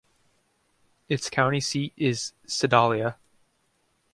Its county seat is Sedalia.